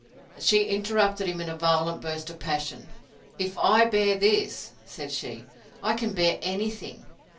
She interrupted him in a violent burst of passion. If I bear this, said she, I can bear any thing!